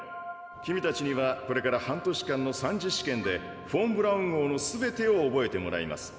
君たちにはこれから半年間の３次試験でフォン・ブラウン号のすべてを覚えてもらいます。